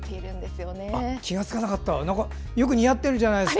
よく似合っているじゃないですか。